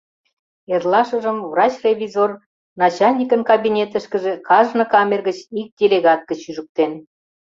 Эрлашыжым врач-ревизор начальникын кабинетышкыже кажне камер гыч ик делегат гыч ӱжыктен.